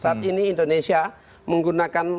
saat ini indonesia menggunakan